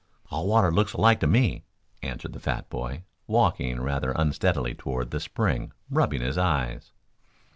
"All water looks alike to me," answered the fat boy, walking rather unsteadily toward the spring, rubbing his eyes.